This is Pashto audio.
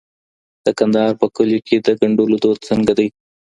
د کندهار په کلیو کي د ګنډلو دود څنګه دی؟